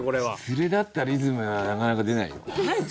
「連れだったリズム」はなかなか出ないよ。